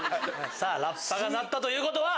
さぁラッパが鳴ったということは。